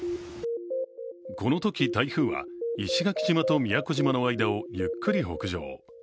このとき台風は石垣島と宮古島の間をゆっくり北上。